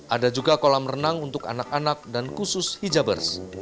ada juga kolam renang untuk anak anak dan khusus hijabers